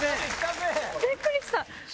びっくりした！